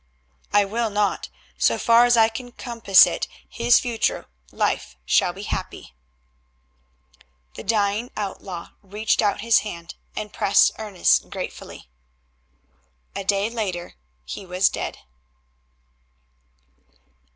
"I will not. So far as I can compass it, his future life shall be happy." The dying outlaw reached out his hand and pressed Ernest's gratefully. A day later he was dead.